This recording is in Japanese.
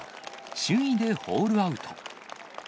首位でホールアウト。